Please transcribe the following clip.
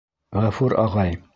Ғәфүр ағай!